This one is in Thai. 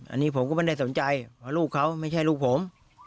อันนี้ผมก็ไม่ได้สนใจเพราะลูกเขาไม่ใช่ลูกผม